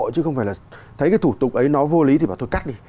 chứ không phải là thấy cái thủ tục ấy nó vô lý thì bảo thôi cắt đi